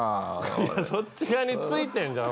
そっち側についてるじゃん